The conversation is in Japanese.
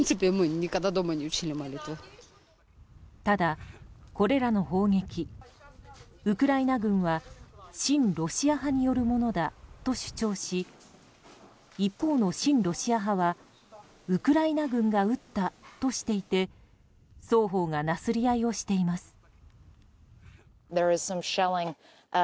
ただ、これらの砲撃ウクライナ軍は親ロシア派によるものだと主張し一方の親ロシア派はウクライナ軍が撃ったとしていて双方がなすり合いをしています。